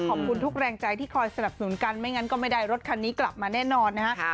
ขอบคุณทุกแรงใจที่คอยสนับสนุนกันไม่งั้นก็ไม่ได้รถคันนี้กลับมาแน่นอนนะฮะ